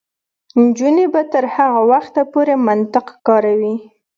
نجونې به تر هغه وخته پورې منطق کاروي.